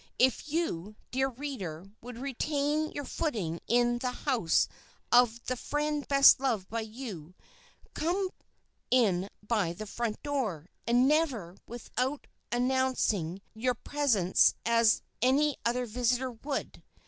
If you, dear reader, would retain your footing in the house of the friend best loved by you, come in by the front door, and never without announcing your presence as any other visitor would.